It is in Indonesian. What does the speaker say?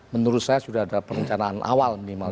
menurut saya sudah ada perencanaan awal minimal